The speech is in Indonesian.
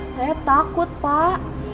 saya takut pak